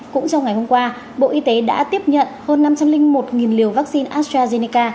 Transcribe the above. cũng trong ngày hôm qua bộ y tế đã tiếp nhận hơn năm trăm linh một liều vaccine astrazeneca